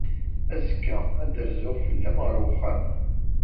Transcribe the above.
Azekka, ad d-rzuɣ fell-am ɣer uxxam.